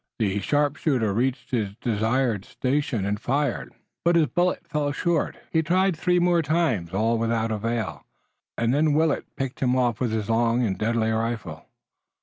The sharpshooter reached his desired station and fired, but his bullet fell short. He tried three more, all without avail, and then Willet picked him off with his long and deadly rifle.